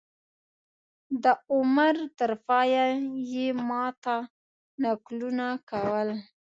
د عمر تر پایه یې ما ته نکلونه کول.